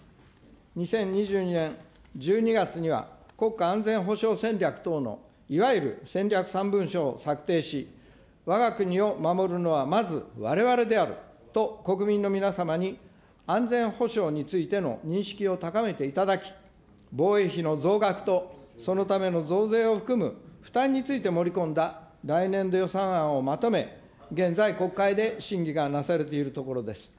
２０２２年１２月には、国家安全保障戦略等のいわゆる戦略３文書を策定し、わが国を守るのはまずわれわれであると国民の皆様に、安全保障についての認識を高めていただき、防衛費の増額とそのための増税を含む負担について盛り込んだ来年度予算案をまとめ、現在、国会で審議がなされているところです。